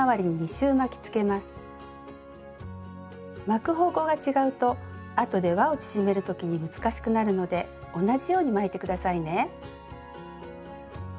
巻く方向が違うとあとでわを縮める時に難しくなるので同じように巻いて下さいね。